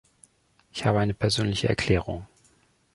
Ich habe eine persönliche Erklärung.